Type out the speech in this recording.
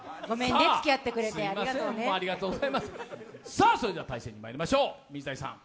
それでは対戦まいりましょう。